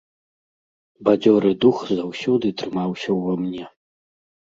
Бадзёры дух заўсёды трымаўся ўва мне.